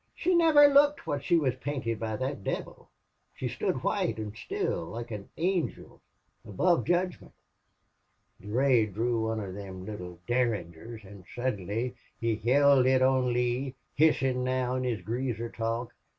she niver looked wot she was painted by thot devil. She stood white an' still, like an angel above judgment. "Durade drew one of thim little derringers. An' sudden he hild it on Lee, hissin' now in his greaser talk.